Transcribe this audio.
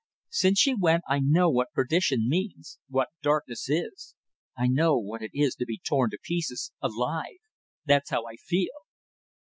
Since she went I know what perdition means; what darkness is. I know what it is to be torn to pieces alive. That's how I feel."